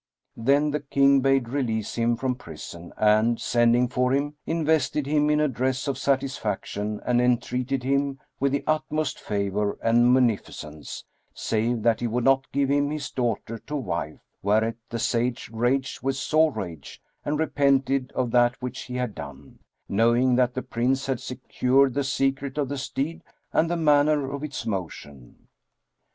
Then the King bade release him from prison and, sending for him, invested him in a dress of satisfaction and entreated him with the utmost favour and munificence, save that he would not give him his daughter to wife; whereat the Sage raged with sore rage and repented of that which he had done, knowing that the Prince had secured the secret of the steed and the manner of its motion.